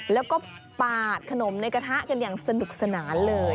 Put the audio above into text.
แล้วก็ปาดขนมในกระทะกันอย่างสนุกสนานเลย